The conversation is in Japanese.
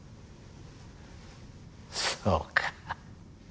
そうか。